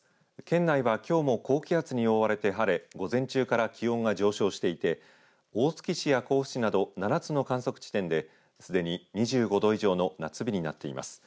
県内はきょうも高気圧に覆われて晴れ午前中から気温が上昇していて大月市や甲府市など７つの観測地点ですでに２５度以上の夏日になっています。